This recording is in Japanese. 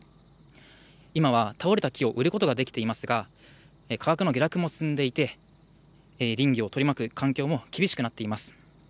今は倒れた木を売ることができていますが、価格の下落も進んでいて、林業を取り巻く環境も厳しくなっています。